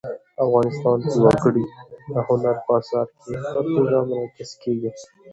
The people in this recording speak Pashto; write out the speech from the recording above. افغانستان کې وګړي د هنر په اثار کې په ښه توګه منعکس کېږي.